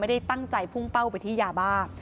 ไม่ได้ตั้งใจพุ่งเป้าไปที่ยาบ้า